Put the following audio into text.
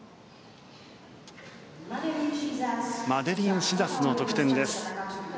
マデリーン・シザスの得点です。